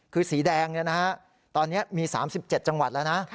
คือสีแดงตอนนี้มี๓๗จังหวัดแล้วนะ